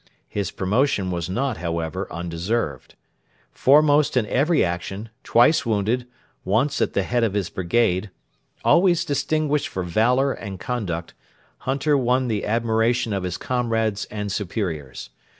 His promotion was not, however, undeserved. Foremost in every action, twice wounded once at the head of his brigade always distinguished for valour and conduct, Hunter won the admiration of his comrades and superiors.